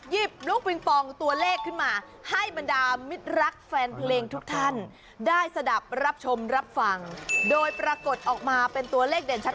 ลูกปิงปองตัวเลขขึ้นมาให้บรรดามิตรรักแฟนเพลงทุกท่านได้สะดับรับชมรับฟังโดยปรากฏออกมาเป็นตัวเลขเด่นชัด